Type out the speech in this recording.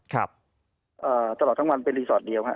ตลอดทั้งวันเป็นรีสอร์ทเดียวครับ